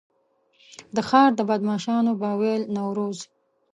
د ښار بدمعاشانو به ویل نوروز.